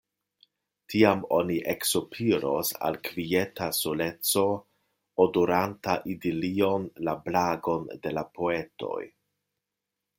Tiam oni eksopiros al kvieta soleco, odoranta idilion la blagon de la poetoj.